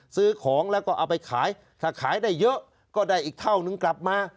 ซื้อของแล้วก็เอาไปขายถ้าขายได้เยอะก็ได้อีกเท่านึงกลับมา